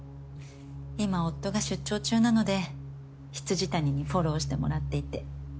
今夫が出張中なので未谷にフォローしてもらっていて。